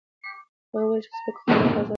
هغه وویل چې د سپکو خوړو بازار لوی شوی دی.